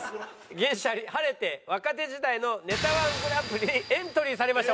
銀シャリ晴れて若手時代のネタ−１グランプリにエントリーされました。